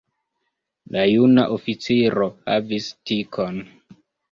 La juna oficiro havis tikon.